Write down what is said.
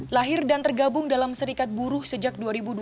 lahir dan tergabung dalam serikat buruh sejak dua ribu dua belas